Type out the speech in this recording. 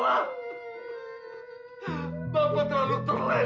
ibu jangan pergi